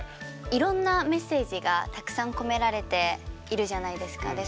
いろんなメッセージがたくさん込められているじゃないですか。